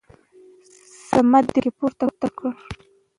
صمد يې په کې پورته کړ.